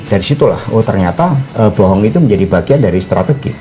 dari situlah oh ternyata bohong itu menjadi bagian dari strategi